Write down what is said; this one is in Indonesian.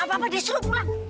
apa apa disuruh pulang